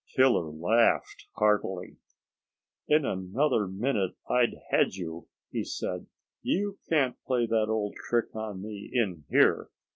Killer laughed heartily. "In another minute I'd had you," he said. "You can't play that old trick on me in here.